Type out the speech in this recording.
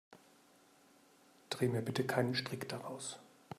Dreh mir bitte keinen Strick daraus.